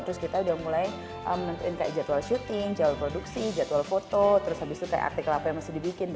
terus kita udah mulai menentuin kayak jadwal syuting jadwal produksi jadwal foto terus habis itu kayak artikel apa yang masih dibikin